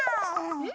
うん？